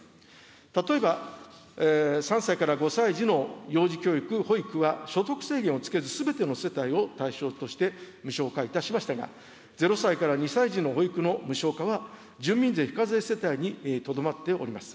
例えば、３歳から５歳児の幼児教育、保育は所得制限をつけずすべての世帯を対象として、無償化いたしましたが、０歳から２歳児の保育の無償化は住民税非課税世帯にとどまっております。